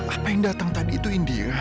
apa yang datang tadi itu india